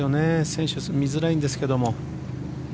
選手、見づらいんですけども。